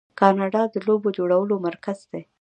کاناډا د لوبو جوړولو مرکز دی.